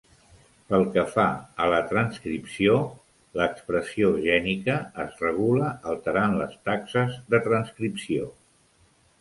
Pel que fa a la transcripció, l'expressió gènica es regula alterant les taxes de transcripció.